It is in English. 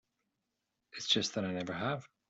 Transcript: It's just that I never have.